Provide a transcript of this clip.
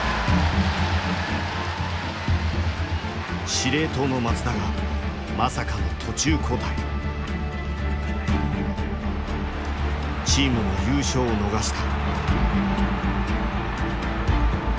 司令塔の松田がまさかのチームも優勝を逃した。